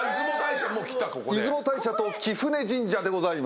出雲大社と貴船神社でございます。